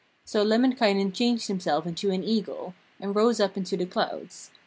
So Lemminkainen changed himself into an eagle, and rose up into the clouds.